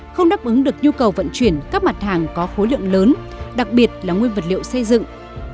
không đáp ứng được nhu cầu vận chuyển các mặt hàng có khối lượng lớn đặc biệt là nguyên vật liệu xây dựng